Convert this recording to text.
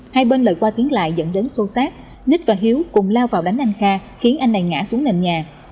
hai bên lời qua tiếng lại dẫn đến sâu sát ních và hiếu cùng lao vào đánh anh kha khiến anh này ngã xuống nền nhà